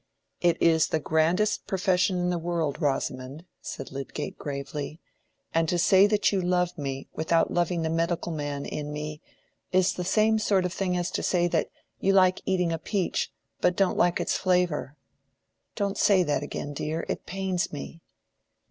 "It is the grandest profession in the world, Rosamond," said Lydgate, gravely. "And to say that you love me without loving the medical man in me, is the same sort of thing as to say that you like eating a peach but don't like its flavor. Don't say that again, dear, it pains me."